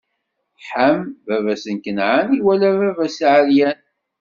Ḥam, baba-s n Kanɛan, iwala baba-s ɛeryan.